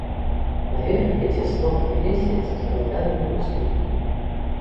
Наверх вядзе стромкая лесвіца з драўлянымі прыступкамі.